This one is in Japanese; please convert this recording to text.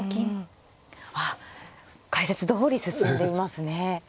あっ解説どおり進んでいますね。